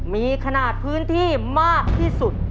มีขนาดพื้นที่มากที่สุด